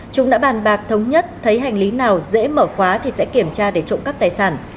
chúng đã bàn bạc thống nhất thấy hành lý nào dễ mở khóa thì sẽ kiểm tra để trộm cắp tài sản